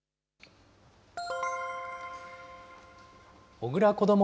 小倉こども